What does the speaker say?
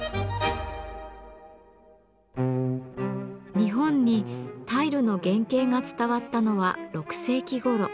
日本にタイルの原型が伝わったのは６世紀ごろ。